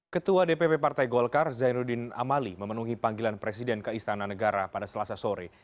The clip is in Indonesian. ketua dpp partai golkar zainuddin amali memenuhi panggilan presiden ke istana negara pada selasa sore